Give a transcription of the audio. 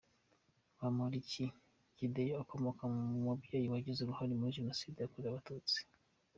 Bamporiki ‘Kideyo’ ukomoka ku mubyeyi wagize uruhare muri Jenoside yakorewe Abatutsi.